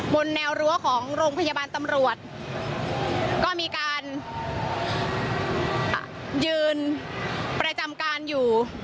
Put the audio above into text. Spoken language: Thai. บนแนวรั้วของโรงพยาบาลตำรวจก็มีการยืนประจำการอยู่